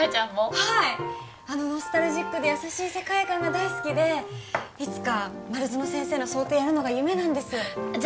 はいあのノスタルジックで優しい世界観が大好きでいつか丸園先生の装丁やるのが夢なんですじゃ